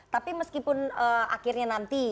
tapi meskipun akhirnya nanti